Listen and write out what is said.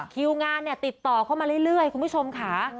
คิวงานเนี่ยติดต่อเข้ามาเรื่อยคุณผู้ชมค่ะ